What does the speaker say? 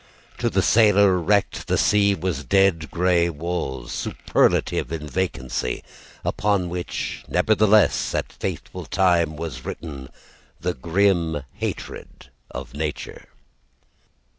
To the sailor, wrecked, The sea was dead grey walls Superlative in vacancy, Upon which nevertheless at fateful time Was written The grim hatred of nature.